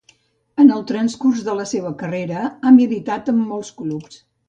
En el transcurs de la seua carrera ha militat en molts clubs.